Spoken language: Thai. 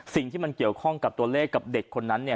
สิ่งที่มันเกี่ยวข้องกับตัวเลขกับเด็กคนนั้นเนี่ย